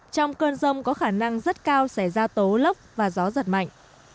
trong cơn rông có khả năng rất cao sẽ ra tố lốc và gió giật mạnh